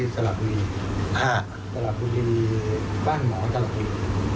ตลาดบุรีตลาดบุรีบ้านหมอตลาดบุรี